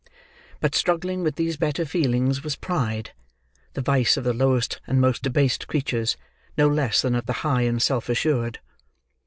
But struggling with these better feelings was pride,—the vice of the lowest and most debased creatures no less than of the high and self assured.